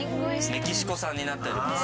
メキシコ産になっています。